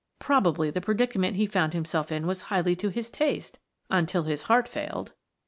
Probably the predicament he found himself in was highly to his taste until his heart failed."